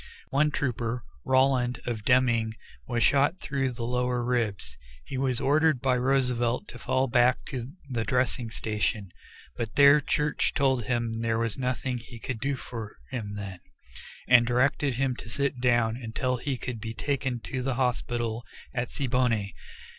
One trooper, Rowland, of Deming, was shot through the lower ribs; he was ordered by Roosevelt to fall back to the dressing station, but there Church told him there was nothing he could do for him then, and directed him to sit down until he could be taken to the hospital at Siboney.